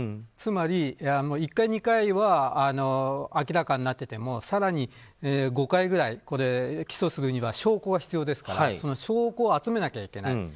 つまり、１回２回は明らかになってても更に５回ぐらい、起訴するには証拠が必要ですからその証拠を集めないといけない。